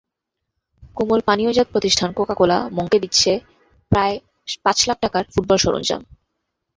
কোমল পানীয়জাত প্রতিষ্ঠান কোকাকোলা মংকে দিচ্ছে প্রায় পাঁচ লাখ টাকার ফুটবল সরঞ্জাম।